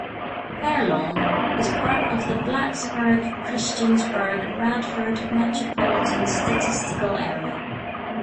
Fairlawn is part of the Blacksburg-Christiansburg-Radford Metropolitan Statistical Area.